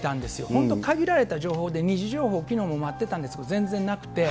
本当、限られた情報で、二次情報、きのうも待ってたんですけど、全然なくて。